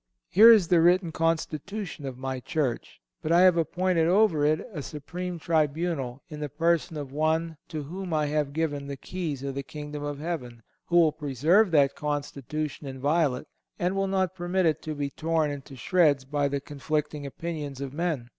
Here is the written Constitution of My Church. But I have appointed over it a Supreme Tribunal, in the person of one "to whom I have given the keys of the Kingdom of Heaven," who will preserve that Constitution inviolate, and will not permit it to be torn into shreds by the conflicting opinions of men.